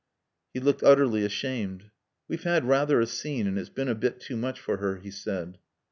He looked utterly ashamed. "We've had rather a scene, and it's been a bit too much for her," he said.